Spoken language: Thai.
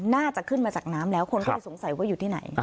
น่าจะขึ้นมาจากน้ำแล้วคนก็เลยสงสัยว่าอยู่ที่ไหน